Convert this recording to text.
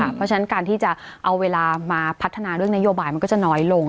เพราะฉะนั้นการที่จะเอาเวลามาพัฒนาเรื่องนโยบายมันก็จะน้อยลง